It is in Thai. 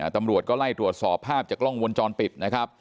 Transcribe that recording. ตำรวจก็ไล่ตรวจสอบภาพจากกล้องวงจรปิดนะครับ